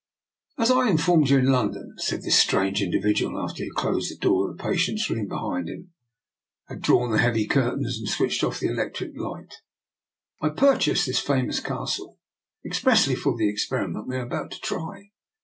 " As I informed you in London," said this strange individual, after he had closed the 170 DR. NIKOLA'S EXPERIMENT. door of the patient's room behind him, had drawn the heavy curtain, and switched off the electric light, " I purchased this famous castle expressly for the experiment we are about to try.